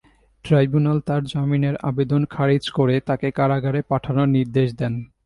Tribunal তাঁর জামিনের আবেদন খারিজ করে তাঁকে কারাগারে পাঠানোর নির্দেশ দেন।